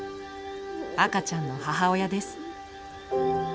赤ちゃんの母親です。